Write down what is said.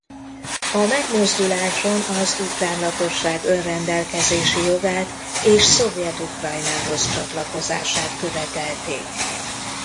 A megmozduláson az ukrán lakosság önrendelkezési jogát és Szovjet Ukrajnához csatlakozását követelték.